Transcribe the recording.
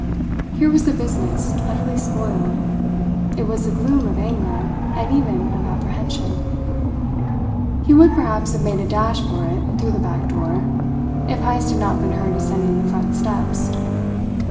Here was the business utterly spoiled! It was the gloom of anger, and even of apprehension. He would perhaps have made a dash for it through the back door, if Heyst had not been heard ascending the front steps.